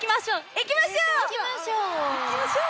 いきましょう！